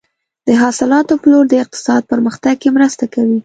د حاصلاتو پلور د اقتصاد پرمختګ کې مرسته کوي.